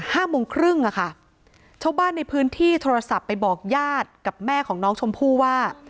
ห้าโมงครึ่งอ่ะค่ะชาวบ้านในพื้นที่โทรศัพท์ไปบอกญาติกับแม่ของน้องชมพู่ว่า